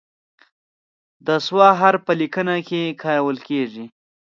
د "ص" حرف په لیکنه کې کارول کیږي.